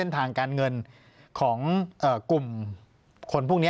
ปากกับภาคภูมิ